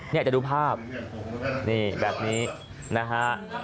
นี่จะดูภาพแบบนี้นะฮะ